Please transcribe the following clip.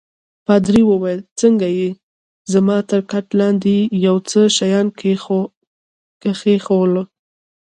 پادري وویل: څنګه يې؟ زما تر کټ لاندي يې یو څه شیان کښېښوول.